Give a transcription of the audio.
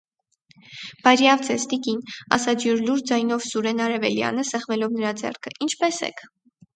- Բարյավ ձեզ, տիկին, - ասաց յուր լուրջ ձայնով Սուրեն Արևելյանը, սեղմելով նրա ձեռքը, - ինչպե՞ս եք: